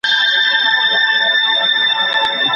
ته باید هره ورځ خپل کوډونه تکرار کړي.